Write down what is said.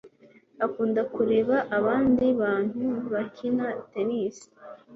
akunda kureba abandi bantu bakina tennis